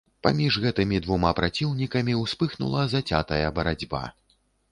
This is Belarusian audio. Паміж гэтымі двума праціўнікамі ўспыхнула зацятая барацьба.